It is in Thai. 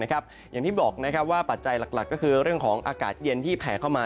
อย่างที่บอกว่าปัจจัยหลักก็คือเรื่องของอากาศเย็นที่แผ่เข้ามา